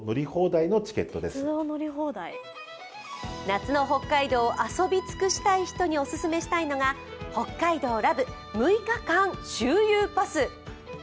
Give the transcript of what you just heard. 夏の北海道を遊び尽くしたい人におすすめしたいのが北海道ラブ６日間周遊パス。